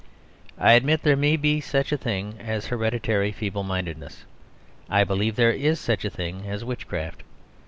I admit there may be such a thing as hereditary feeble mindedness; I believe there is such a thing as witchcraft.